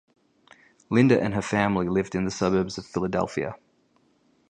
Linda and her family lived in the suburbs of Philadelphia.